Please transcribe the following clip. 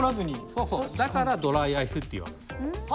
そうそうだからドライアイスっていう訳です。